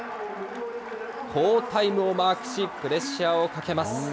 好タイムをマークし、プレッシャーをかけます。